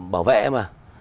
bảo vệ mà